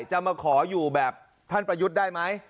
จะมาขออยู่แบบท่านประยุทธ์ได้ไหม